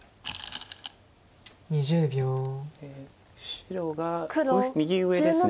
白が右上ですね。